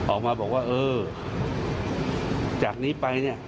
ออกมาบอกว่าเออจากนี้ไป